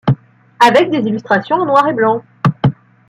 Avec des illustrations noir et blanc.